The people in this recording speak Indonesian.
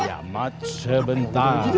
diamat sebentar lagi